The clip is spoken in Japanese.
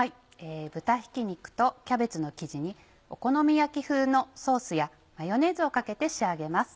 豚ひき肉とキャベツの生地にお好み焼き風のソースやマヨネーズをかけて仕上げます。